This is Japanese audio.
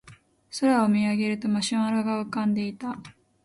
空を見上げるとマシュマロが浮かんでいた